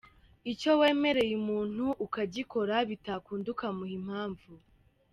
Icyo wemereye umuntu ukagikora bitakunda ukamuha impamvu.